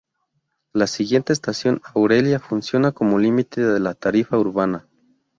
La siguiente estación, Aurelia, funciona como límite de la tarifa urbana.